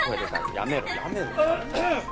やめろ